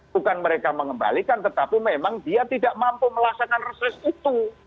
bukan mereka mengembalikan tetapi memang dia tidak mampu melaksanakan reses itu